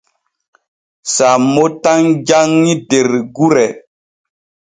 Sammo tan janŋi der gure.